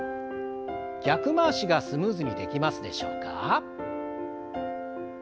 逆回しがスムーズにできますでしょうか？